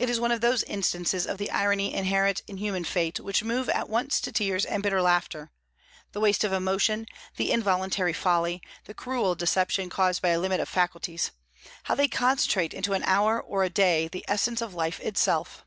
It is one of those instances of the irony inherent in human fate which move at once to tears and bitter laughter; the waste of emotion, the involuntary folly, the cruel deception caused by limit of faculties how they concentrate into an hour or a day the essence of life itself!